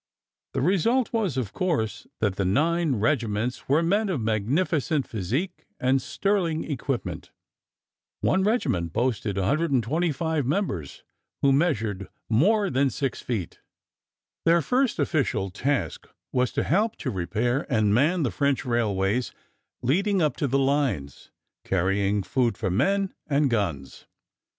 The result was, of course, that the 9 regiments were men of magnificent physique and sterling equipment. One regiment boasted 125 members who measured more than 6 feet. Their first official task was to help to repair and man the French railways leading up to the lines, carrying food for men and guns.